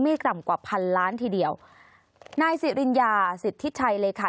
ต่ำกว่าพันล้านทีเดียวนายสิริญญาสิทธิชัยเลยค่ะ